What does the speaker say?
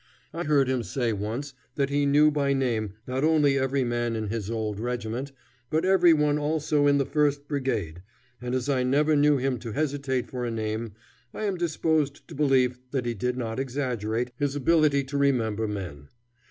I heard him say once that he knew by name not only every man in his old regiment, but every one also in the first brigade, and as I never knew him to hesitate for a name, I am disposed to believe that he did not exaggerate his ability to remember men.